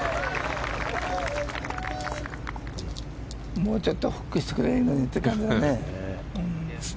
もうちょっとフックしてくれりゃいいのにって感じだね。